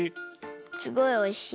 すごいおいしい。